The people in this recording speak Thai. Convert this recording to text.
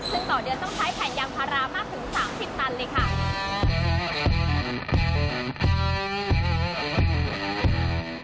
ซึ่งต่อเดือนต้องใช้แผ่นยางพารามากถึง๓๐ตันเลยค่ะ